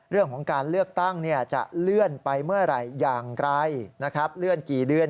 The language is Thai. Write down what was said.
เรื่องของการเลือกตั้งจะเลื่อนไปเมื่อไหร่อย่างไรนะครับเลื่อนกี่เดือน